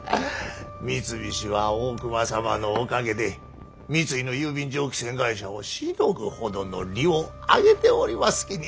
三菱は大隈様のおかげで三井の郵便蒸気船会社をしのぐほどの利をあげておりますきに。